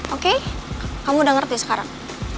oke kamu udah ngerti sekarang